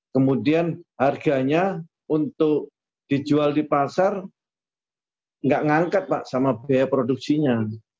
kemudian harganya untuk dijual di pasar nggak ngangkat pak sama biaya produksinya